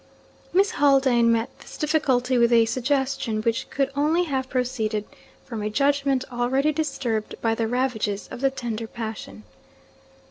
Miss Haldane met this difficulty with a suggestion, which could only have proceeded from a judgment already disturbed by the ravages of the tender passion.